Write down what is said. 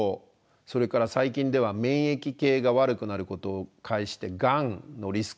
それから最近では免疫系が悪くなることを介してがんのリスクを高める。